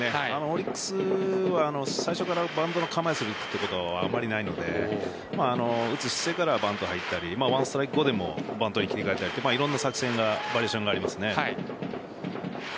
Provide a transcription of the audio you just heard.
オリックスは最初からバントの構えをすることはあまりないので打つ姿勢からバントに入ったり１ストライク後でもバントに切り替えたりいろんな作戦がバリエーションがあります。